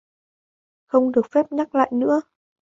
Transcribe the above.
Không được phép nhắc lại nữa